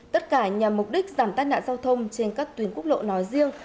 tất cả nhằm mục đích giảm tai nạn giao thông trên các tuyến quốc lộ nói riêng